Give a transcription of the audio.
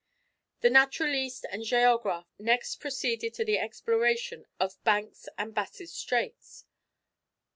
The Naturaliste and Géographe next proceeded to the exploration of Banks' and Bass's straits.